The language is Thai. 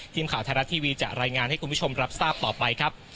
ทีมข่าวไทยรัฐทีวีจะรายงานให้คุณผู้ชมรับทราบต่อไปครับ